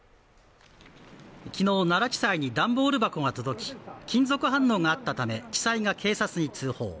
昨日、奈良地裁にダンボール箱が届き、金属反応があったため、地裁が警察に通報。